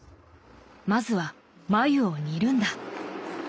まずは繭を煮るんだ。